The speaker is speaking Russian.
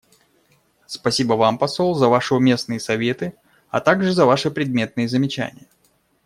Спасибо Вам, посол, за Ваши уместные советы, а также за Ваши предметные замечания.